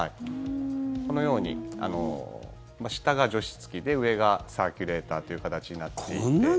このように下が除湿機で上がサーキュレーターという形になっていて。